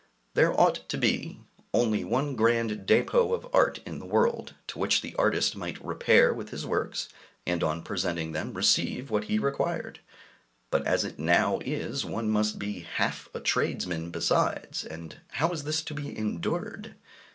There ought to be only one grand dépôt of art in the world, to which the artist might repair with his works, and on presenting them receive what he required; but as it now is, one must be half a tradesman besides and how is this to be endured?